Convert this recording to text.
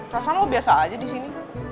rasanya lo biasa aja disini